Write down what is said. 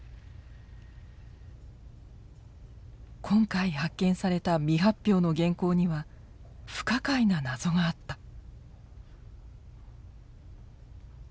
今回発見された未発表の原稿には不可解な謎があった。